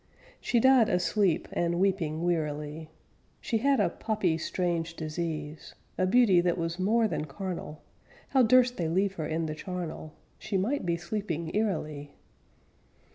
She died asleep and weeping wearily. She had a poppy strange disease; A beauty that was more than carnal, How durst they leave her in the charnel? She might be sleeping eerily!